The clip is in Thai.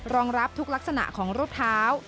รองรับทุกลักษณะของรูปเท้า